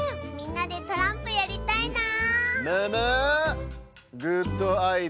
みんなでトランプやりたいなあ。